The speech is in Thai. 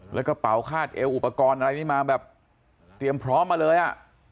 แล้วกระเป๋าคาดเอวอุปกรณ์อะไรนี่มาแบบเตรียมพร้อมมาเลยอ่ะ